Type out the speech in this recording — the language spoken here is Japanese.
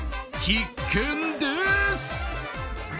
必見です！